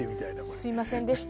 すいませんでした。